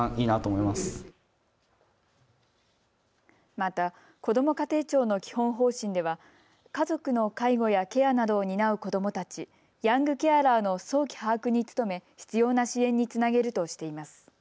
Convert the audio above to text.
またこども家庭庁の基本方針では家族の介護やケアなどを担う子どもたち、ヤングケアラーの早期把握に努め、必要な支援につなげるとしています。